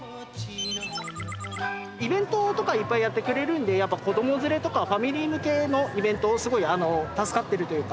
イベントとかいっぱいやってくれるんでやっぱ子ども連れとかファミリー向けのイベントをすごい助かってるというか。